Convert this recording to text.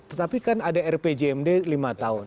tetapi kan ada rpjmd lima tahun